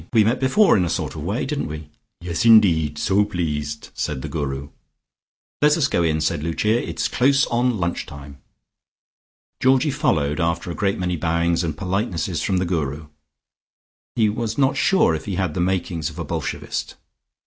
"We met before in a sort of way, didn't we?" "Yes, indeed. So pleased," said the Guru. "Let us go in," said Lucia, "It is close on lunch time." Georgie followed, after a great many bowings and politenesses from the Guru. He was not sure if he had the makings of a Bolshevist.